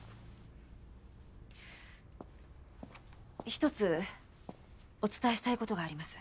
一つお伝えしたい事があります。